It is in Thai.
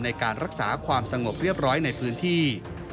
ในการรักษาความสงบเรียบร้อยในพื้นที่